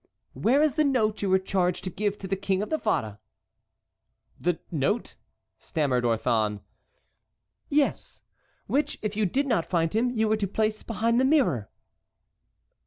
"Where is the note you were charged to give to the King of Navarre?" "The note?" stammered Orthon. "Yes; which, if you did not find him, you were to place behind the mirror?"